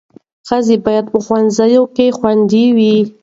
ښځې باید په ښوونځیو کې خوندي وي.